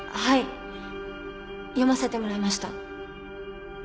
読ませてもらいました。